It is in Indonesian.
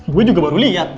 gue juga baru liat